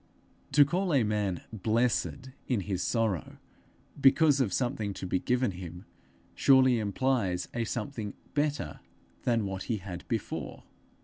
To call a man blessed in his sorrow because of something to be given him, surely implies a something better than what he had before!